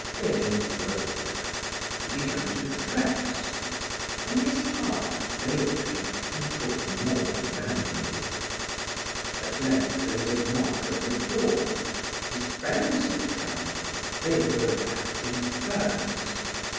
Day broke. He began to dress; when his heart failed him, he took more brandy. At length there was a knock at the door. His friends had come; they were wrapped in furs.